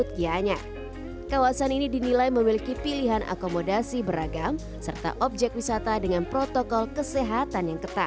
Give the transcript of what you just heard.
kawasan ini dinilai memiliki pilihan akomodasi beragam serta objek wisata dengan protokol kesehatan yang ketat